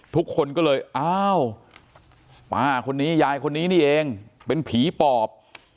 ทุกคนก็เลยอ้าวป้าคนนี้ยายคนนี้นี่เองเป็นผีปอบ